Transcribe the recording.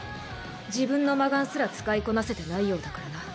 自分の魔眼すら使いこなせてないようだからな